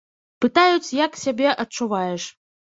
Пытаюць, як сябе адчуваеш.